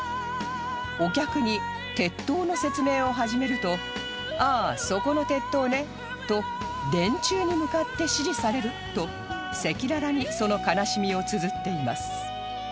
お客に鉄塔の説明を始めると「あー！そこの鉄塔ね！」と電柱に向かって指示されると赤裸々にその悲しみをつづっています